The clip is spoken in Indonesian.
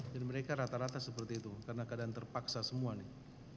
jadi mereka rata rata seperti itu karena keadaan terpaksa semua nih